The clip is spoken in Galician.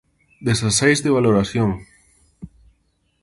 Dezaseis de valoración.